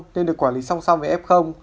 nên được quản lý song song với f